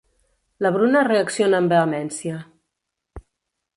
La Bruna reacciona amb vehemència.